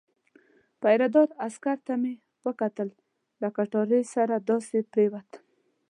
پیره دار عسکر ته مې وکتل، له کټارې سره داسې پرېوتم.